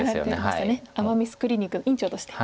“アマ・ミス”クリニックの院長として。